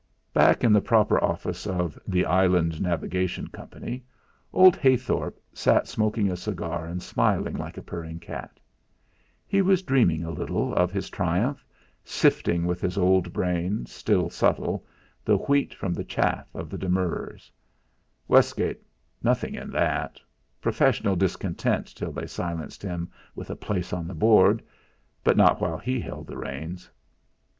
2 Back in the proper office of "The Island Navigation Company" old Heythorp sat smoking a cigar and smiling like a purring cat. He was dreaming a little of his triumph, sifting with his old brain, still subtle, the wheat from the chaff of the demurrers: Westgate nothing in that professional discontent till they silenced him with a place on the board but not while he held the reins!